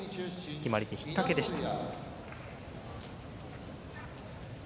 決まり手、引っかけでした。